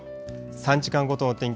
３時間ごとの天気。